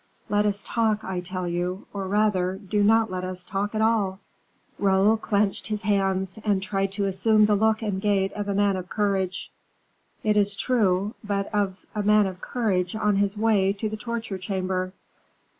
Let us talk, I tell you, or rather, do not let us talk at all." Raoul clenched his hands, and tried to assume the look and gait of a man of courage, it is true, but of a man of courage on his way to the torture chamber.